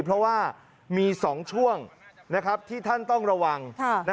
เพราะว่ามี๒ช่วงที่ท่านต้องระวัง